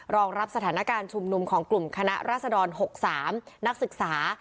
รองรับสถานการณ์ชุมนุมของกลุ่มคณะราษฎร๖๓นักศึกษา